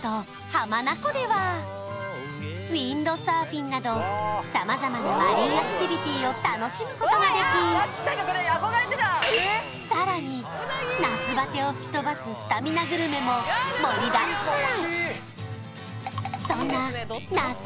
浜名湖ではなど様々なマリンアクティビティーを楽しむことができさらに夏バテを吹き飛ばすスタミナグルメも盛りだくさん